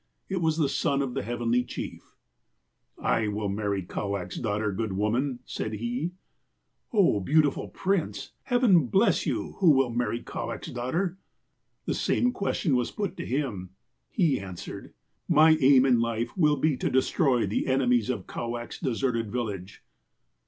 It was the son of the Heavenly Chief. " 'I will marry Kowak's daughter, good woman,' said he. '■'' Oh, beautiful prince ! Heaven bless you, who will marry Kowak's daughter.' "The same question was then put to him. "He answered : "'My aim in life will be to destroy the enemies of Kowak's deserted village.'